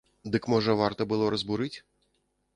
Дык можа варта было разбурыць?